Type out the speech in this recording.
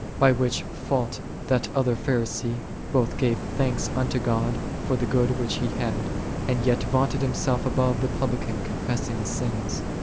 By which fault that other Pharisee both gave thanks unto God for the goods which he had, and yet vaunted himself above the Publican confessing his sins.